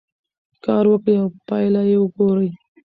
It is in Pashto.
کار وکړئ او پایله یې وګورئ.